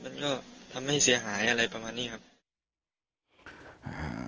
มันก็ทำให้เสียหายอะไรประมาณนี้ครับอ่า